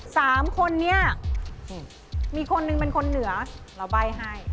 สามคนนี้มีคนหนึ่งเป็นคนเหนือเราใบ้ให้